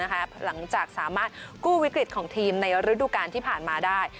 หลังจากสามารถกู้วิกฤตของทีมในฤดูการที่ผ่านมาได้